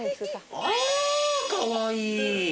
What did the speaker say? あぁかわいい！